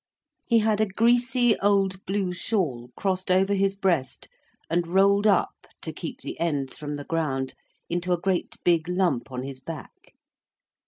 He had a greasy old blue shawl crossed over his breast, and rolled up, to keep the ends from the ground, into a great big lump on his back.